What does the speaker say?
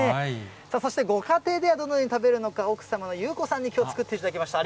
そしてご家庭ではどのように食べるのか、奥様の雄子さんに、きょう、作っていただきました。